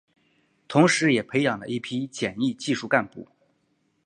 同时也培养了一批检疫技术干部。